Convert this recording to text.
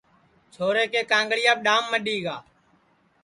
چھورے کے کانٚڑیاپ ڈؔام مڈؔی گا